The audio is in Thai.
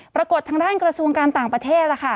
ปรากฏทางด้านกระทรวงการต่างประเทศ